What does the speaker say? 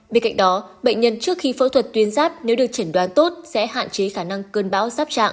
bên cạnh đó bệnh nhân trước khi phẫu thuật tuyến giáp nếu được chẩn đoán tốt sẽ hạn chế khả năng cơn bão giáp chạm